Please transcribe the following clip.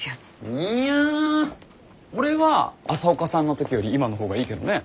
いや俺は朝岡さんの時より今の方がいいけどね。